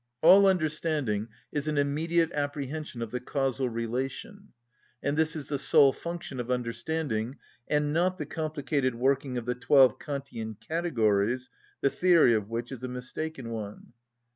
All understanding is an immediate apprehension of the causal relation, and this is the sole function of understanding, and not the complicated working of the twelve Kantian Categories, the theory of which is a mistaken one.